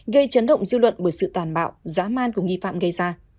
gây chấn động dư luận bởi sự tàn bạo giá man của nghi phạm gây ra